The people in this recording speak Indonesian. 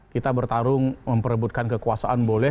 kita bertarung memperebutkan kekuasaan boleh